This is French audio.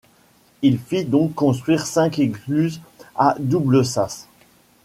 Il fit donc construire cinq écluses à double sas.